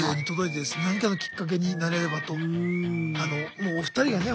もうお二人がね